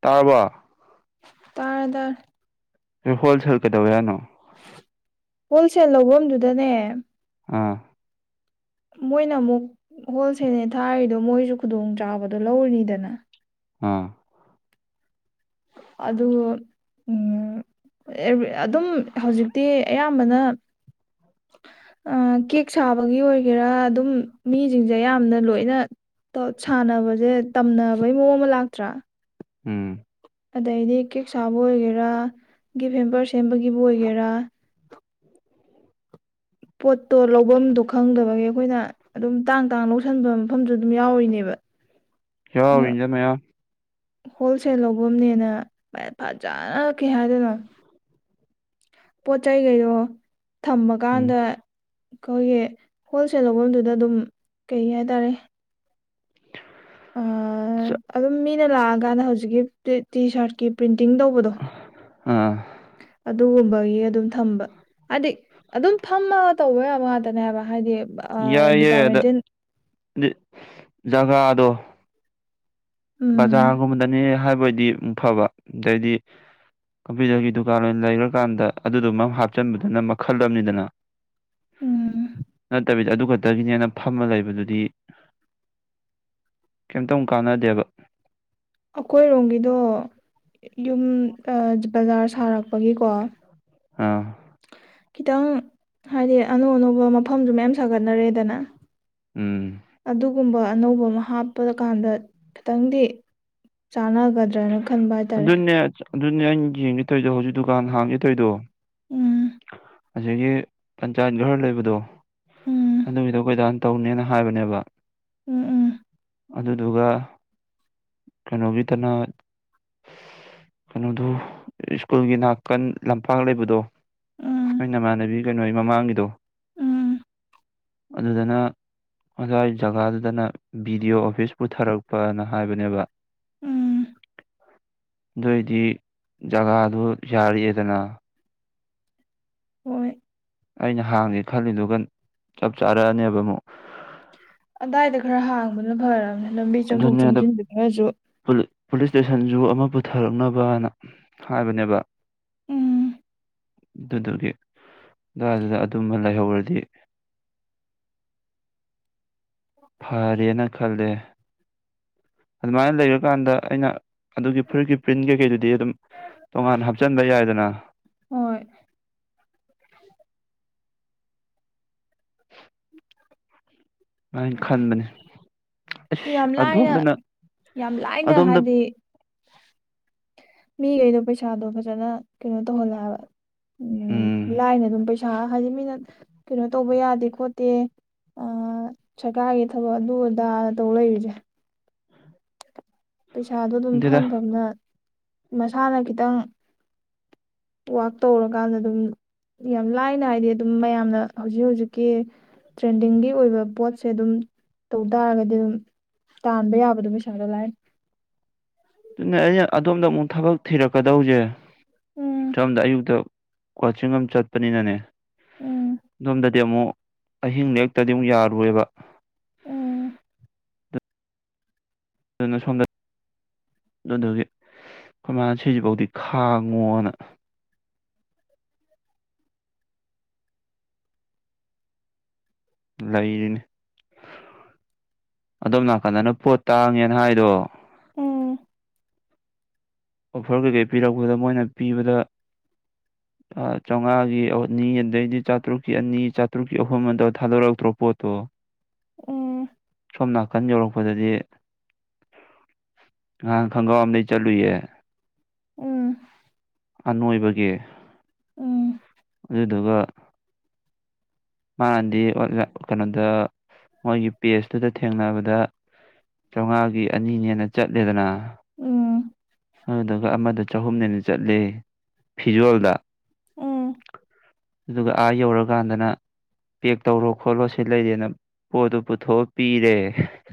ꯇꯥꯔꯕꯣ ꯇꯥꯔꯗ wholesale ꯀꯩꯗꯧꯋ ꯌꯥꯅꯣ wholesale ꯂꯐꯝꯗꯨꯗꯅꯦ ꯑꯥ ꯃꯣꯏꯅ ꯑꯃꯨꯛ ꯍꯣꯜꯁꯦꯜꯅꯦ ꯊꯥꯔꯤꯗꯣ ꯃꯣꯏꯁꯨ ꯈꯨꯗꯣꯡꯆꯥꯥꯕꯗꯣ ꯂꯧꯔꯅꯤꯗꯅ ꯑꯥ ꯑꯗ ꯎꯝ ꯑꯗꯨꯝ ꯍꯧꯖꯤꯛꯇꯤ ꯑꯌꯥꯝꯕꯅ ꯀꯦꯛ ꯁꯥꯕꯒꯤ ꯑꯣꯏꯒꯦꯔꯥ ꯑꯗꯨꯝ ꯃꯤꯁꯤꯡꯁꯦ ꯌꯥꯝꯅ ꯂꯣꯏꯅ ꯁꯥꯟꯅꯕꯁꯦ ꯇꯝꯅꯕꯩ ꯃꯑꯣꯡ ꯑꯃ ꯂꯥꯛꯇ꯭ꯔꯥ ꯎꯝ ꯑꯗꯩꯗꯤ ꯀꯦꯛ ꯁꯥꯕꯨ ꯑꯣꯏꯒꯦꯔꯥ ꯒꯤꯐ ꯍꯦꯝꯕꯔ ꯁꯦꯝꯕꯒꯤꯕꯨ ꯑꯣꯏꯒꯦꯔꯥ ꯄꯣꯠꯇꯣ ꯂꯐꯝꯗꯣ ꯈꯪꯗꯕꯒꯤ ꯑꯩꯈꯣꯏꯅ ꯑꯗꯨꯝ ꯇꯥꯡ ꯇꯥꯡꯅ ꯂꯧꯁꯟꯕ ꯃꯐꯝꯁꯨ ꯑꯗꯨꯝ ꯌꯥꯎꯔꯤꯅꯦꯕ ꯎꯝ ꯌꯥ ꯍꯧ ꯏꯟꯖ ꯃꯌꯥꯝ ꯍꯣꯜꯁꯦꯜ ꯂꯧꯕꯅꯦꯅ ꯐꯖꯅꯛꯀꯦ ꯍꯥꯏꯗꯅ ꯄꯣꯠ ꯆꯩꯩꯈꯩꯗꯣ ꯎꯝ ꯊꯝꯃꯀꯥꯟꯗ ꯑꯩꯈꯣꯏꯒꯤ ꯍꯣꯜꯁꯦꯜ ꯂꯐꯝꯗꯨꯗ ꯑꯗꯨꯝ ꯀꯩ ꯍꯥꯏꯇꯥꯔꯦ ꯑꯗꯨꯝ ꯃꯤꯅ ꯂꯥꯛꯑꯀꯥꯟꯗ ꯍꯧꯖꯤꯛꯀꯤ ꯇꯤ ꯁꯥꯔꯠꯀꯤ ꯄ꯭ꯔꯤꯟ ꯤꯡ ꯇꯧꯕꯗꯣ ꯑꯥ ꯑꯗꯨꯒꯨꯝꯕ ꯑꯗꯨ ꯊꯝꯕ ꯍꯥꯏꯗꯤ ꯑꯗꯨꯝ ꯊꯃ ꯇꯧꯕ ꯌꯥꯕ ꯉꯇꯅꯦꯕ ꯍꯥꯏꯗꯤ ꯌꯥꯏꯌꯦ ꯑꯗ ꯗꯤꯄꯥꯔꯠꯃꯦꯟꯇꯦꯜ ꯖꯒꯥꯗꯣ ꯕꯖꯥꯔꯒꯨꯝꯕꯗꯅꯦ ꯍꯥꯏꯕꯣꯏꯗꯤ ꯑꯃ ꯐꯕ ꯑꯗꯩꯗꯤ ꯀꯝꯄ꯭ꯌꯨꯇꯔꯒꯤ ꯗꯨꯀꯥꯟ ꯑꯣꯏꯅ ꯂꯩꯈ꯭ꯔꯀꯥꯟꯗ ꯑꯗꯨꯗꯨ ꯃ ꯍꯥꯞꯆꯤꯟꯕꯗꯨꯅ ꯃꯈꯜ ꯑꯃꯅꯤꯅꯤꯗꯅ ꯎꯝ ꯐꯠꯇꯕꯤꯗ ꯑꯗꯨ ꯈꯛꯇꯒꯤꯅꯦꯅ ꯐꯝꯃ ꯂꯩꯕꯗꯨꯗꯤ ꯀꯩꯝꯇꯨ ꯀꯥꯟꯅꯗꯦꯕ ꯑꯩꯈꯣꯏꯔꯣꯝꯒꯤꯗꯣ ꯌꯨꯝ ꯕꯖꯥꯔ ꯁꯥꯔꯛꯄ ꯄꯒꯤ ꯀꯣ ꯑꯥ ꯈꯤꯇꯪ ꯍꯥꯏꯗꯤ ꯑꯅꯧ ꯑꯅꯧꯕ ꯃꯐꯝꯁꯨ ꯃꯌꯥꯝ ꯁꯥꯒꯠꯅꯔꯦꯗꯅ ꯎꯝ ꯑꯗꯨꯒꯨꯝꯕ ꯑꯅꯧꯕ ꯑꯃ ꯍꯥꯞꯄ ꯀꯥꯟꯗ ꯈꯤꯇꯪꯗꯤ ꯆꯥꯟꯅꯒꯗ ꯭ꯔꯅ ꯈꯟꯕ ꯍꯥꯏꯇꯥꯔꯦ ꯑꯗꯨꯅꯦ ꯑꯗꯨꯅꯦ ꯑꯩꯅ ꯌꯦꯡꯒꯦꯠꯇꯣꯏꯗꯣ ꯍꯧꯖꯤꯛ ꯗꯨꯀꯥꯟ ꯍꯥꯡꯒꯦ ꯇꯣꯏꯗꯣ ꯎꯝ ꯑꯁꯤꯒꯤꯒꯤ ꯄꯟꯆꯥꯌꯦꯠ ꯘꯔ ꯂꯩꯕꯗꯣ ꯎꯝ ꯑꯗꯨꯒꯤꯗꯣ ꯀꯣꯏꯗꯥꯥꯟ ꯇꯧꯅꯦꯅ ꯍꯥꯏꯕꯅꯦꯕ ꯎꯝ ꯎꯝ ꯑꯗꯨꯗꯨꯒ ꯀꯩꯅꯣꯒꯤꯗꯅ ꯀꯩꯅꯣꯗꯨ ꯁ꯭ꯀꯨꯜꯒꯤ ꯅꯥꯀꯟ ꯂꯝꯄꯥꯛ ꯂꯩꯕꯗꯣ ꯎꯝ ꯑꯩ ꯅꯃꯥꯟꯅꯕꯤ ꯀꯩꯅꯣ ꯑꯩ ꯃꯃꯥꯡꯒꯤꯗꯣ ꯎꯝ ꯑꯗꯨꯗꯅ ꯉꯁꯥꯏ ꯖꯒꯥꯗꯨꯗꯅ ꯕꯤ ꯗꯤ ꯑꯣ ꯑꯣꯐꯤꯁ ꯄꯨꯊꯔꯛꯄꯅ ꯍꯥꯏꯕꯅꯦꯕ ꯎꯝ ꯅꯣꯏꯗꯤ ꯖꯒꯥꯗꯨ ꯌꯥꯔꯤꯑꯦꯗꯅ ꯍꯣꯏ ꯑꯩꯅ ꯍꯥꯡꯒꯦ ꯈꯜꯂꯤꯗꯨꯒ ꯆꯞ ꯆꯥꯔꯛꯑꯅꯦꯕ ꯑꯃꯨꯛ ꯑꯗꯥꯏꯗ ꯈꯔ ꯍꯥꯡꯕꯅ ꯐꯔꯕꯅꯦ ꯂꯝꯕꯤ ꯆꯣꯡꯊꯣꯛ ꯑꯗꯨꯅꯦ ꯑꯗ ꯆꯣꯡꯁꯤꯟꯁ ꯈꯔꯁꯨ ꯄꯨꯂꯤꯁ ꯏꯁꯇꯦꯁꯟꯁꯨ ꯑꯃ ꯄꯨꯊꯔꯛꯅꯕꯅ ꯍꯥꯏꯕꯅꯦꯕ ꯎꯝ ꯑꯗꯨꯗꯨꯒꯤ ꯗꯨꯗ ꯑꯗꯨꯝꯕ ꯂꯩꯍꯧꯔꯗꯤ [inaudible] ꯐꯔꯦꯅ ꯈꯜꯂꯦ ꯑꯗꯨꯃꯥꯏꯅ ꯂꯩꯔꯀꯥꯟꯗ ꯑꯩꯅ ꯑꯗꯨꯒꯤ ꯐꯨꯔꯤꯠꯀꯤ ꯄ꯭ꯔꯤꯟ ꯀꯩꯀꯩꯗꯨꯗꯤ ꯑꯗꯨꯝ ꯇꯣꯉꯥꯟ ꯍꯥꯞꯆꯤꯟꯕ ꯌꯥꯏꯗꯅ ꯍꯣꯏ ꯑꯅ ꯈꯟꯕꯅꯦ ꯌꯥꯝ ꯂꯥꯏꯅ ꯌꯥꯝ ꯂꯥꯏꯅ ꯑꯗꯣꯝꯗ ꯍꯥꯏꯗꯤ [inaudible] ꯃꯤꯈꯩꯗꯣ ꯄꯩꯁꯥꯗꯣ ꯐꯖꯅ ꯀꯩꯅꯣ ꯇꯧꯍꯜꯂꯑꯦꯕ ꯎꯝ ꯎ ꯂꯥꯏꯅ ꯑꯗꯨꯝ ꯄꯩꯁꯥ ꯍꯥꯏꯗꯤ ꯃꯤꯅ ꯀꯩꯅꯣ ꯇꯧꯕ ꯌꯥꯗꯦ ꯈꯣꯠꯇꯦ ꯁꯔꯀꯥꯔꯒꯤ ꯊꯕꯛ ꯑꯗꯨ ꯑꯗꯥ ꯇꯧ ꯂꯩꯔꯤꯁꯦ ꯄꯩꯁꯥꯗꯣ ꯑꯗꯨꯝ ꯈꯪꯗꯦꯗ ꯐꯝ ꯐꯝꯅ ꯃꯁꯥꯅ ꯈꯤꯇꯪ ꯋꯥꯛ ꯇꯧꯔꯀꯥꯟꯗ ꯑꯗꯨꯝ ꯌꯥꯝ ꯂꯥꯏꯅ ꯍꯥꯏꯗꯤ ꯑꯗꯨꯝ ꯃꯌꯥꯝꯅ ꯍꯧꯖꯤꯛ ꯍꯧꯖꯤꯛꯀꯤ ꯇ꯭ꯔꯦꯟꯗꯤꯡꯒꯤ ꯑꯣꯏꯕ ꯄꯣꯠꯁꯦ ꯑꯗꯨꯝ ꯇꯧ ꯇꯥꯔꯒꯗꯤ ꯑꯗꯨꯝ꯫ ꯇꯥꯟꯕ ꯌꯥꯕꯗꯣ ꯄꯩꯁꯥꯗꯣ ꯂꯥꯏ꯫ ꯑꯗꯨꯅꯦ ꯑꯩꯅ ꯑꯗꯣꯝꯗ ꯑꯃꯨꯛ ꯊꯕꯛ ꯊꯤꯔꯛꯀꯗꯧꯁꯦ ꯎꯝ ꯁꯣꯝꯗ ꯑꯌꯨꯛꯇ꯫ ꯀꯣꯆꯤꯡ ꯑꯃ ꯆꯠꯄꯅꯤꯅꯅꯦ ꯎꯝ ꯑꯗꯣꯝꯗꯗꯤ ꯑꯃꯨꯛ꯫ ꯑꯍꯤꯡ ꯂꯦꯛꯇꯗꯤ ꯑꯃꯨꯛ ꯌꯥꯔꯨꯣꯏꯕ꯫ ꯎꯝ꯫ ꯗꯨꯟ ꯁꯣꯝꯗ꯫ ꯑꯗꯨꯗꯨꯒꯤ ꯑꯩꯈꯣꯏ ꯃꯥꯅ ꯁꯤꯁꯤꯐꯥꯎꯗꯤ ꯈꯥꯡꯉꯣꯅ꯫ ꯂꯩꯗꯅꯦ꯫ ꯑꯗꯣꯝ ꯅꯥꯀꯟꯗꯅ ꯄꯣꯠ ꯇꯥꯡꯉꯦꯅ ꯍꯥꯏꯗꯣ꯫ ꯎꯝ ꯑꯣꯐꯔ ꯀꯩꯀꯩ ꯄꯤꯔꯛꯄꯗ ꯃꯣꯏꯅ ꯄꯤꯕꯗ꯫ [inaudible] ꯆꯥꯝꯃꯉꯥꯒꯤ ꯑꯅꯤ ꯑꯗꯩꯗꯤ ꯆꯥꯇ꯭ꯔꯨꯛꯀꯤ ꯑꯅꯤ ꯆꯥꯇ꯭ꯔꯨꯛꯀꯤ ꯑꯍꯨꯝ ꯑꯗꯨꯗ ꯊꯥꯗꯣꯔꯛꯇ꯭ꯔꯣ ꯄꯣꯠꯇꯣ꯫ ꯎꯝ ꯁꯣꯝꯅꯥꯊ꯫ ꯅꯥꯀꯟ ꯌꯧꯔꯛꯄꯗꯗꯤ ꯉꯍꯥꯟ ꯈꯪꯒ꯭ꯔꯥꯎ ꯑꯝꯗꯒꯤꯩ ꯆꯠꯂꯨꯏꯌꯦ꯫ ꯎꯝ꯫ ꯑꯅꯣꯏꯕꯒꯤ꯫ ꯎꯝ꯫ ꯑꯗꯨꯗꯨꯒ꯫ ꯃꯥꯅꯗꯤ ꯀꯩꯅꯣꯗ ꯃꯣꯏꯒꯤ ꯄꯦꯖꯇꯨꯗ ꯊꯦꯡꯅꯕꯗ꯫ ꯆꯥꯝꯃꯉꯥꯒꯤ ꯑꯅꯤꯅꯦꯅ ꯆꯠꯂꯦꯗꯅ꯫ ꯎꯝ꯫ ꯑꯗꯨꯗꯨꯒ ꯑꯃꯗ ꯆꯍꯨꯝꯅꯦꯅ ꯆꯠꯂꯤ ꯐꯤꯖꯣꯜꯗ꯫ ꯎꯝ꯫ ꯑꯗꯨꯒ ꯑꯥ ꯌꯧꯔꯀꯥꯟꯗꯅ꯫ ꯄꯦꯛ ꯇꯧꯔꯣ ꯈꯣꯠꯂꯣ ꯁꯤ ꯂꯩꯔꯦꯅ ꯄꯣꯠꯇꯣ ꯄꯨꯊꯣꯛꯑ ꯄꯤꯔꯦ꯫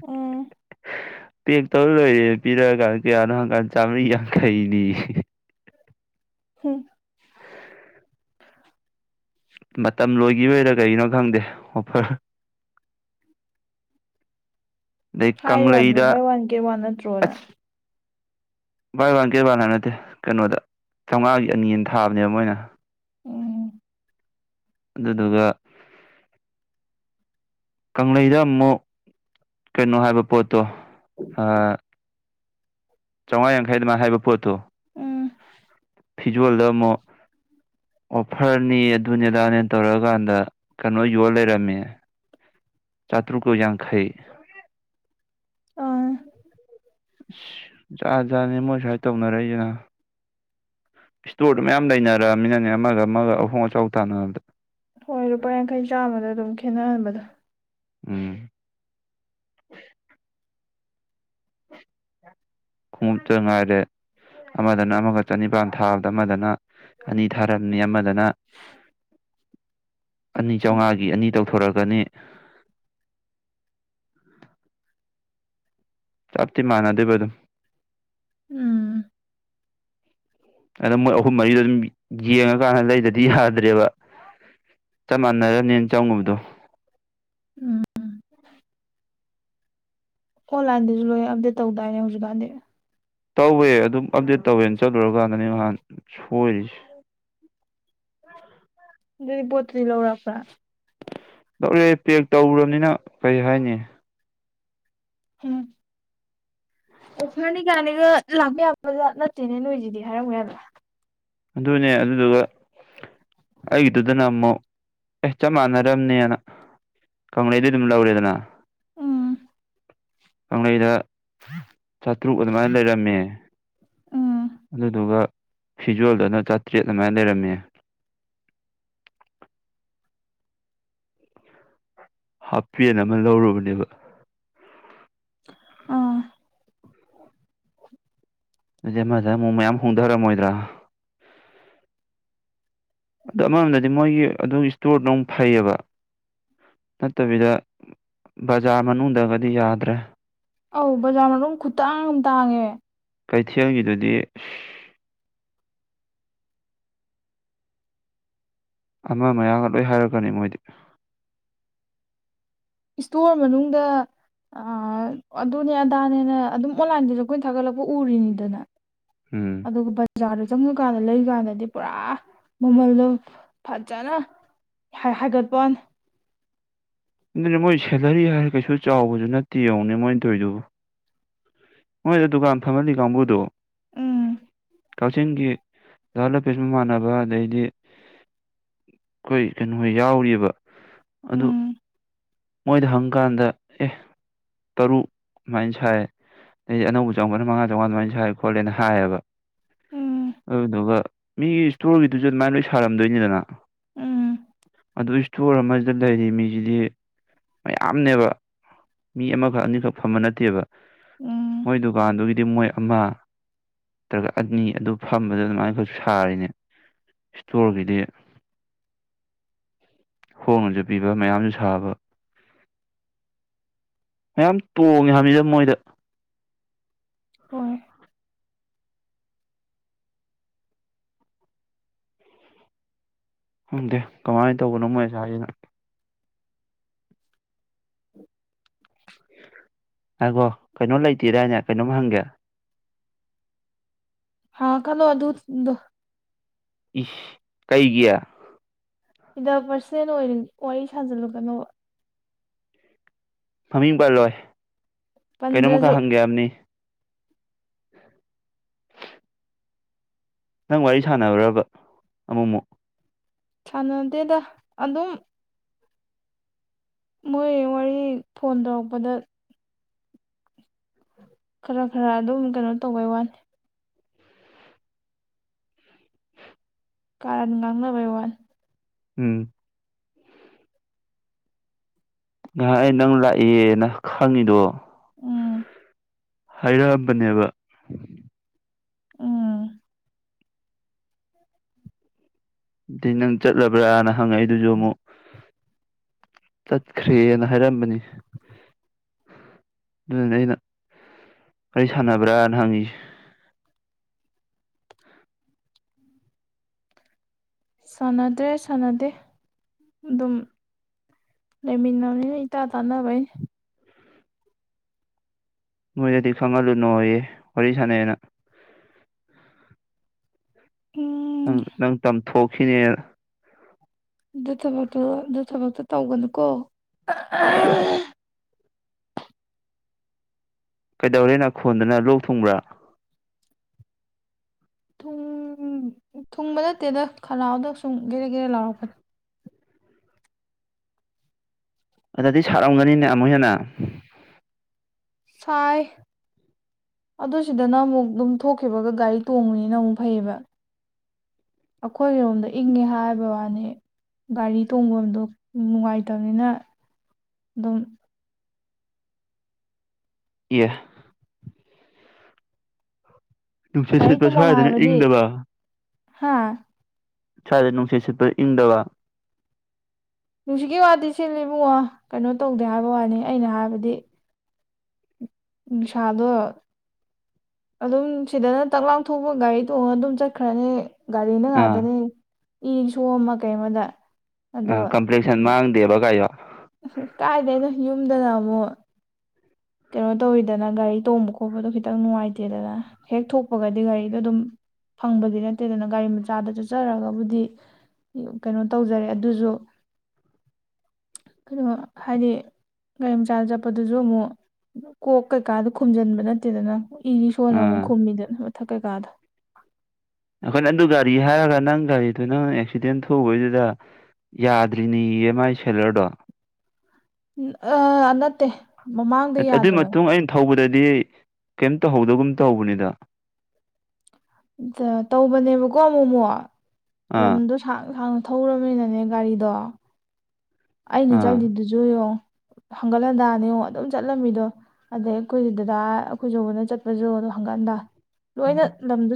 ꯎꯝ꯫ ꯄꯦꯛ ꯇꯧꯔ ꯂꯣꯏꯔꯦ ꯄꯤꯔꯛꯑꯒꯥꯟ ꯀꯌꯥꯅꯣ ꯍꯪꯀꯥꯟ ꯆꯥꯝꯃꯔꯤ ꯌꯥꯡꯈꯩꯅꯤ꯫ ꯍꯝ꯫ ꯃꯇꯝ ꯂꯣꯏꯈꯤꯕꯔꯣꯏꯔ ꯀꯩꯅꯣ ꯈꯪꯗꯦ ꯑꯣꯐꯔ꯫ ꯗꯩꯩ ꯍꯥꯏꯌꯨ ꯌꯥꯗ꯭ꯔꯣ ꯀꯪꯂꯩꯗ ꯕꯥꯏ ꯋꯥꯟ ꯒꯦꯠ ꯋꯥꯟ ꯅꯠꯇ꯭ꯔꯣꯅ ꯑꯁ꯫ ꯕꯥꯏ ꯋꯥꯟ ꯀꯩ ꯋꯥꯟ ꯍꯥꯏꯕ ꯅꯠꯇꯦ ꯀꯩꯅꯣꯗ ꯆꯥꯝꯃꯉꯥꯒꯤ ꯑꯅꯤ ꯑꯅ ꯊꯥꯕꯅꯦꯕ ꯃꯣꯏꯅ꯫ ꯎꯝ ꯑꯗꯨꯗꯨꯒ ꯀꯪꯂꯩꯩꯗ ꯑꯃꯨꯛ꯫ ꯀꯩꯅꯣ ꯍꯥꯏꯕ ꯄꯣꯠꯇꯣ ꯑ꯫ ꯆꯥꯝꯃꯉꯥ ꯌꯥꯡꯈꯩ ꯑꯗꯨꯃꯥꯏꯅ ꯍꯥꯏꯕ ꯄꯣꯠꯇꯣ ꯎꯝ ꯐꯤꯖꯣꯜꯗ ꯑꯃꯨꯛ꯫ ꯑꯣꯐꯔꯅꯤ ꯑꯗꯨꯅꯤꯗꯥꯅꯦ ꯇꯧꯔꯛꯀꯥꯟꯗ ꯀꯩꯅꯣ ꯌꯣꯜ ꯂꯩꯔꯝꯃꯦ꯫ ꯆꯥꯠꯇ꯭ꯔꯨꯀ ꯌꯥꯡꯈ꯫ ꯑꯥ ꯖꯥ ꯖꯥꯠꯅꯤ ꯃꯣꯏ ꯁꯨꯃꯥꯏ ꯇꯧꯅꯔꯛꯏꯁꯤꯅ꯫ ꯏꯁꯇꯣꯔꯗꯨ ꯃꯌꯥꯝ ꯂꯩꯅꯔꯑꯃꯤꯅꯅꯦ ꯑꯃꯒ ꯑꯃꯒ ꯑꯍꯣꯡ ꯑꯆꯥꯎ ꯇꯥꯅꯕꯗ꯫ ꯍꯣꯏ ꯂꯨꯄꯥ ꯌꯥꯡꯈꯩ ꯆꯥꯝꯃꯗ ꯑꯗꯨꯝ ꯈꯦꯠꯅꯍꯟꯕꯗ꯫ ꯎꯝ꯫ [inaudible] ꯈꯣꯡꯎꯞ ꯇꯥꯉꯥꯏꯔꯦ꯫ ꯑꯃꯗꯅ ꯑꯃꯒ ꯆꯅꯤꯄꯥꯟ ꯊꯥꯕꯗ ꯑꯃꯗꯅ ꯑꯅꯤ ꯊꯥꯔꯝꯅꯤ ꯑꯃꯗꯅ꯫ ꯗꯅ꯫ ꯑꯅꯤ ꯎꯝ ꯆꯥꯝꯃꯉꯥꯒꯤ ꯑꯅꯤ ꯇꯧꯊꯣꯔꯛꯀꯅꯤ꯫ ꯆꯞꯇꯤ ꯃꯥꯅꯗꯕ ꯑꯗꯨꯝ꯫ ꯎꯝ꯫ ꯑꯗ ꯃꯣꯏ ꯑꯍꯨꯝ ꯃꯔꯤꯗꯣ ꯑꯗꯨꯝ ꯌꯦꯡꯉꯀꯥꯟꯗ ꯂꯩꯗꯗꯤ ꯌꯥꯗ꯭ꯔꯦꯕ꯫ ꯆꯞ ꯃꯥꯟꯅꯔ ꯅꯦꯟ ꯆꯪꯉꯨꯕꯗꯣ꯫ ꯎꯝ ꯑꯣꯟꯂꯥꯏꯟꯗꯁꯨ ꯂꯣꯏ ꯑꯞꯗꯦꯠ ꯇꯧꯗꯥꯏꯅꯦ ꯍꯧꯖꯤꯛꯀꯥꯟꯗꯤ ꯇꯧꯋꯦ ꯑꯗꯨꯝ ꯑꯞꯗꯦꯠ ꯇꯧꯋꯦꯅ ꯆꯠꯂꯨꯔꯀꯥꯟꯗꯅꯦ ꯅꯍꯥꯟ ꯁꯣꯏꯔꯤꯁꯦ ꯑꯗꯨꯗꯤ ꯄꯣꯠꯇꯨꯗꯤ ꯂꯧꯔꯛꯄ꯭ꯔꯥ ꯂꯧꯔꯛꯑꯦ ꯄꯦꯛ ꯇꯧꯔꯨꯔꯕꯅꯤꯅ ꯀꯔꯤ ꯍꯥꯏꯅꯤ ꯎꯝ ꯑꯣꯐꯔꯅꯤ ꯀꯥꯏꯅꯒ ꯂꯥꯛꯄ ꯌꯥꯕꯖꯥ ꯅꯠꯇꯦꯅꯦ ꯅꯣꯏꯁꯤꯗꯤ ꯍꯥꯏꯔꯝꯃꯨ ꯌꯥꯗ꯭ꯔꯣ ꯑꯗꯨꯅꯦ ꯑꯗꯨꯗꯨꯒ ꯑꯩꯒꯤꯗꯨꯗꯅ ꯑꯃꯨꯛ ꯑꯦ ꯆꯞ ꯃꯥꯟꯅꯔꯝꯅꯦꯅ ꯀꯪꯂꯩꯗꯤ ꯑꯗꯨꯝ ꯂꯧꯔꯦꯗꯅ ꯎꯝ ꯀꯪꯂꯩꯩꯗ ꯆꯥꯇ꯭ꯔꯨꯛ ꯑꯗꯨꯃꯥꯏꯅ ꯂꯩꯔꯝꯃꯦ ꯎꯝ ꯑꯗꯨꯗꯨꯒ ꯐꯤꯖꯣꯜꯗꯅ ꯆꯥꯇ꯭ꯔꯦꯠ ꯑꯗꯨꯃꯥꯏ ꯂꯩꯔꯝꯃꯤ ꯍꯥꯞꯄꯦꯟ ꯑꯃ ꯂꯧꯔꯨꯕꯅꯦꯕ ꯑꯥ ꯑꯩꯁꯦ ꯑꯃꯗ ꯃꯨꯛ ꯃꯌꯥꯝ ꯍꯣꯡꯊꯔꯝꯃꯣꯏꯗ꯭ꯔꯥ ꯑꯗꯨ ꯑꯃꯔꯣꯝꯗꯗꯤ ꯃꯣꯏꯒꯤ ꯑꯗꯨꯒꯤ ꯏꯁꯇꯣꯔꯗꯣ ꯑꯃꯨꯛ ꯐꯩꯌꯦꯕ ꯅꯠꯇꯕꯤꯗ ꯕꯖꯥꯔ ꯃꯅꯨꯡꯗꯒꯗꯤ ꯌꯥꯗ꯭ꯔꯦ ꯑꯧ ꯕꯖꯥꯔ ꯃꯅꯨꯡ ꯈꯨꯇꯥꯡ ꯑꯃ ꯇꯥꯡꯉꯦ ꯀꯩꯊꯦꯜꯒꯤꯗꯨꯗꯤ ꯑꯃ ꯃꯌꯥꯒ ꯂꯣꯏ ꯍꯥꯏꯔꯛꯀꯅꯤ ꯃꯣꯏꯗꯤ ꯏꯁꯇꯣꯔ ꯃꯅꯨꯡꯗ ꯑ ꯑꯗꯨꯅꯦ ꯑꯗꯥꯅꯦꯅ ꯑꯗꯨꯝ ꯑꯣꯟꯂꯥꯏꯟꯗꯁꯨ ꯑꯩꯈꯣꯏꯅ ꯊꯥꯒꯠꯂꯛꯄ ꯎꯔꯤꯅꯤꯗꯅ ꯎꯝ ꯑꯗꯣ ꯕ ꯕꯖꯥꯔꯗ ꯆꯪꯉꯀꯥꯟꯗ ꯂꯩꯀꯥꯟꯗꯗꯤ ꯄꯨꯔꯥ ꯃꯃꯜꯗꯣ ꯐꯖꯅ ꯍꯥꯏꯒꯠꯄ ꯑꯗꯨꯅꯦ ꯃꯣꯏ ꯁꯦꯂꯔꯤ ꯍꯥꯏꯔ ꯀꯩꯁꯨ ꯆꯥꯎꯕꯁꯨ ꯅꯠꯇꯦ ꯌꯦꯡꯉꯨꯅꯦ ꯃꯣꯏꯅ ꯇꯧꯔꯤꯗꯨꯕꯨ ꯃꯣꯏꯗ ꯗꯨꯀꯥꯟ ꯐꯝꯍꯜꯂꯤ ꯀꯥꯡꯕꯨꯗꯣ ꯎꯝ ꯀꯥꯛꯆꯤꯡꯒꯤ ꯗꯥ ꯂꯥꯄꯦꯁ ꯃꯃꯥꯟꯅꯕ ꯑꯗꯩꯗꯤ ꯑꯩꯈꯣꯏ ꯀꯩꯅꯣ ꯌꯥꯎꯔꯤꯕ ꯑꯗꯨ ꯎꯝ ꯃꯣꯏꯗ ꯍꯪꯀꯥꯟꯗ ꯑꯦ ꯇꯔꯨꯛ ꯁꯨꯃꯥꯏꯅ ꯁꯥꯏ ꯑꯩꯁꯦ ꯑꯅꯧꯕ ꯆꯪꯉꯛꯄꯅ ꯃꯉꯥ ꯆꯧꯉꯥ ꯑꯗꯨꯃꯥꯏꯅ ꯁꯥꯏ ꯈꯣꯠꯂꯦꯅ ꯍꯥꯏꯌꯦꯕ ꯎꯝ ꯑꯗꯨꯗꯨꯒ ꯃꯤꯒꯤ ꯏꯁꯇꯣꯔꯒꯤꯗꯨꯁꯨ ꯑꯗꯨꯃꯥꯏꯅ ꯂꯣꯏ ꯁꯥꯔꯝꯗꯣꯏꯅꯤꯗꯅ ꯎꯝ ꯑꯗꯨ ꯏꯁꯇꯣꯔ ꯑꯃꯗ ꯂꯩꯔꯤ ꯃꯤꯁꯤꯗꯤ ꯃꯌꯥꯝꯅꯦꯕ ꯃꯤ ꯑꯃꯈꯛ ꯑꯅꯤꯈꯛ ꯐꯝꯕ ꯅꯠꯇꯦꯕ ꯎꯝ ꯃꯣꯏ ꯗꯨꯀꯥꯟꯗꯨꯒꯤꯗꯤ ꯃꯣꯏ ꯑꯃ ꯅꯠꯇ꯭ꯔꯒ ꯑꯅꯤ ꯑꯗꯨ ꯐꯝꯕꯗ ꯑꯗꯨꯃꯥꯏ ꯅꯈꯣꯏꯁꯨ ꯁꯥꯔꯤꯅꯦ ꯏꯁꯇꯣꯔꯒꯤꯗꯤ [inaudible] ꯍꯣꯡꯅꯁꯨ ꯄꯤꯕ ꯃꯌꯥꯝꯁꯨ ꯁꯥꯕ ꯃꯌꯥꯝ ꯇꯣꯡꯉꯦ ꯍꯥꯏꯕꯅꯤꯗ ꯃꯣꯏꯗ ꯍꯣꯏ ꯈꯪꯗꯦ ꯀꯃꯥꯏꯅ ꯇꯧꯕꯅꯣ ꯃꯣꯏ ꯑꯁꯥꯏꯁꯤꯅ ꯉꯥꯏꯈꯣ ꯀꯩꯅꯣ ꯂꯩꯇꯦꯗꯥꯏꯅꯦ ꯀꯩꯅꯣꯝ ꯍꯪꯒꯦ ꯍꯪꯉꯛꯀꯅꯣ ꯑꯗꯨꯗꯣ ꯏꯁ ꯀꯩꯒꯤ ꯁꯤꯗ ꯄꯔꯁꯅꯦꯜ ꯑꯣꯏ ꯋꯥꯔꯤ ꯁꯥꯖꯜꯂꯛꯀꯅꯣꯕ ꯃꯃꯤꯡ ꯄꯜꯂꯣꯏ ꯄꯟꯗ꯭ꯔꯁꯨ ꯀꯩꯅꯣꯝꯃꯈꯛ ꯍꯪꯒꯦ ꯍꯥꯏꯕꯅꯤ [inaudible] ꯅꯪ ꯋꯥꯔꯤ ꯁꯥꯟꯅꯔꯨꯔꯕ ꯑꯃꯨꯛ ꯑꯃꯨꯛ ꯁꯥꯟꯅꯗꯦꯗ ꯑꯗꯨꯝ ꯃꯣꯏ ꯋꯥꯔꯤ ꯐꯣꯟ ꯇꯧꯔꯛꯄꯗ ꯈꯔ ꯈꯔ ꯑꯗꯨꯝ ꯀꯩꯅꯣ ꯇꯧꯕꯩ ꯋꯥꯅꯤ ꯀꯥꯔꯗ ꯉꯥꯡꯅꯕꯩ ꯋꯥꯜ ꯎꯝ ꯉꯍꯥꯛ ꯅꯪ ꯂꯥꯛꯑꯦꯅ ꯈꯪꯉꯤꯗꯣ ꯎꯝ ꯍꯥꯏꯔꯛꯑꯝꯕꯅꯦꯕ ꯎꯝ ꯑꯗꯤ ꯅꯪ ꯆꯠꯂꯕ꯭ꯔꯥꯅ ꯍꯪꯉꯛꯦ ꯑꯗꯨꯁꯨ ꯑꯃꯨꯛ ꯆꯠꯈ꯭ꯔꯦꯅ ꯍꯥꯏꯔꯝꯕꯅꯤ ꯑꯗꯨꯗꯨꯅꯦ ꯑꯩꯅ ꯀꯔꯤ ꯁꯥꯟꯅꯕ꯭ꯔꯅ ꯍꯪꯉꯁꯤꯦ ꯁꯥꯟꯅꯗ꯭ꯔꯦ ꯁꯥꯟꯅꯗꯦ ꯑꯗꯨꯝ ꯂꯩꯃꯤꯅꯤ ꯏ ꯇꯥ ꯇꯥꯅꯕꯥꯏ ꯅꯣꯏꯗꯗꯤ ꯈꯪꯍꯜꯂꯨꯅꯣ ꯑꯩꯌꯦ ꯋꯥꯔꯤ ꯁꯥꯟꯅꯩꯌꯦꯅ ꯎꯝ ꯅꯪ ꯅꯪ ꯇꯝꯊꯣꯛꯈꯤꯅꯦ ꯑꯗꯨ ꯊꯕꯛꯇꯣ ꯑꯗꯨ ꯊꯕꯛꯇꯣ ꯇꯧꯒꯅꯨꯀꯣ ꯁꯤꯌꯣ ꯀꯩꯗꯧꯔꯦꯅ ꯈꯣꯟꯗꯨꯅ ꯂꯣꯛ ꯊꯨꯡꯕ꯭ꯔꯥ ꯊꯨꯡ ꯊꯨꯡꯕ ꯅꯠꯇꯦꯗ ꯈꯅꯥꯥꯎꯗ ꯁꯨꯝ ꯦꯔ ꯒꯦꯔ ꯂꯥꯎꯔꯛꯄꯅꯤ ꯑꯗꯨꯗꯤ ꯁꯥꯔꯝꯒꯅꯤꯅꯦ ꯑꯃꯨꯛ ꯍꯦꯟꯅ ꯁꯥꯏ ꯑꯗꯨ ꯁꯤꯗꯅ ꯑꯃꯨꯛ ꯑꯗꯨꯝ ꯊꯣꯛꯈꯤꯕꯒ ꯒꯥꯔꯤ ꯇꯣꯡꯕꯅꯤꯅ ꯑꯃꯨꯛ ꯐꯩꯌꯦꯕ ꯑꯩꯈꯣꯏꯒꯤꯔꯣꯝꯗ ꯏꯪꯉꯦ ꯍꯥꯏꯕꯕꯥꯅꯤ ꯒꯥꯔꯤ ꯊꯣꯡꯕ ꯑꯗꯣ ꯅꯨꯡꯉꯥꯏꯇꯕꯅꯤꯅ ꯑꯗꯨꯝ ꯌꯦ ꯅꯨꯡꯁꯤꯠ ꯒꯥꯔꯤ ꯁꯤꯠꯄ ꯇꯣꯡꯐꯝ ꯁ꯭ꯋꯥꯏꯗꯅ ꯍꯥꯏꯕꯗꯤ ꯏꯪꯗꯕ ꯍꯥ ꯆꯥꯗ ꯅꯨꯡꯁꯤꯠ ꯆꯠꯄ ꯏꯪꯗꯕ ꯅꯨꯡꯁꯤꯠꯀꯤ ꯋꯥꯗꯤ ꯆꯦꯜꯂꯤ ꯏꯕꯨꯡꯉꯣ ꯀꯩꯅꯣ ꯇꯧꯗꯦ ꯍꯥꯏꯕ ꯋꯥꯅꯤ ꯑꯩꯅ ꯍꯥꯏꯕꯗꯤ ꯁꯥꯗꯣ ꯑꯗꯨꯝ ꯁꯤꯗꯅ ꯇꯛꯂꯥꯎꯊꯣꯛꯄ ꯒꯥꯔꯤ ꯇꯣꯡꯉ ꯑꯗꯨꯝ ꯆꯠꯈ꯭ꯔꯅꯤ ꯒꯥꯔꯤꯅ ꯑꯥ ꯉꯥꯛꯇꯅꯦ ꯏ ꯁꯣ ꯑꯃ ꯀꯩ ꯑꯃꯗ ꯑ ꯀꯝꯄ꯭ꯂꯂꯤꯀꯦꯁꯟ ꯃꯥꯡꯗꯦꯕ ꯀꯥꯏꯣ ꯑꯁ ꯀꯥꯏꯗꯅꯣ ꯌꯨꯝꯗꯅ ꯑꯃꯨꯛ ꯀꯩꯅꯣ ꯇꯧꯔꯤꯤꯗꯅ ꯒꯥꯔꯤ ꯇꯣꯡꯕ ꯈꯣꯠꯄꯗꯣ ꯈꯤꯇꯪ ꯅꯨꯡꯉꯥꯏꯇꯦꯗꯅ ꯍꯦꯛ ꯊꯣꯛꯄꯒꯗꯤ ꯒꯥꯔꯤꯗꯣ ꯑꯗꯨꯝ ꯐꯪꯕꯗꯤ ꯅꯠꯇꯦꯗꯅ ꯒꯥꯔꯤ ꯃꯆꯥꯗ ꯆꯠꯆꯔꯒꯕꯨꯗꯤ ꯀꯩꯅꯣ ꯇꯧꯖꯔꯦ ꯑꯗꯨꯁꯨ ꯀꯩꯅꯣ ꯍꯥꯏꯗꯤ ꯒꯥꯔꯤ ꯃꯆꯥꯗ ꯆꯠꯄꯗꯨꯁꯨ ꯑꯃꯨꯛ ꯀꯣꯛ ꯀꯩꯀꯥꯗꯣ ꯈꯨꯝꯖꯤꯟꯕ ꯅꯠꯇꯦꯗꯅ ꯏꯗꯤ ꯁꯣꯟꯅ ꯑꯃꯨꯛ ꯑꯥ ꯈꯨꯝꯕꯤꯗ ꯊꯀ ꯀꯥꯗ ꯑꯩꯈꯣꯏꯅꯪ ꯑꯗꯨ ꯒꯥꯔꯤ ꯍꯥꯏꯔꯒ ꯅꯪ ꯒꯥꯔꯤꯗꯨꯣ ꯅꯪ ꯑꯦꯛꯁꯤꯗꯦꯟ ꯊꯣꯛꯧꯕꯩꯗꯨꯗ ꯌꯥꯗ꯭ꯔꯤꯅꯦ ꯏ ꯑꯦꯝ ꯑꯥꯏ ꯁꯦꯂꯔꯗꯣ ꯑ ꯑꯅꯠꯇꯦ ꯑꯗꯨꯏ ꯃꯇꯨꯡ ꯑꯩꯅ ꯊꯧꯕꯗꯗꯤ ꯗꯤ ꯀꯩ ꯇꯧꯍꯧꯗꯒ ꯇꯧꯕꯅꯤꯗ ꯑ ꯇꯧꯕꯅꯦꯕꯀꯣ ꯑꯃꯨꯛꯃꯛ ꯑꯥ ꯂꯝꯗꯣꯥꯡ ꯁꯥꯡꯉ ꯊꯧꯔꯔꯕꯅꯤꯅꯅꯦ ꯒꯥꯔꯤꯗꯣ ꯑꯩꯅ ꯑꯥ ꯆꯠꯂꯤꯗꯨꯁꯨꯨꯣ ꯍꯪꯒꯠ ꯍꯟꯗꯥꯅꯤꯉ ꯑꯗꯨꯝ ꯆꯠꯂꯝꯃꯤꯗꯣ ꯑꯗꯩ ꯑꯩꯈꯣꯏ ꯗꯗꯥ ꯑꯩꯈꯣꯏꯁꯨꯕꯅ ꯆꯠꯄꯁꯨ ꯑꯗꯨ ꯍꯪꯀꯥꯟꯗ ꯂꯣꯏꯅ ꯂꯝꯗ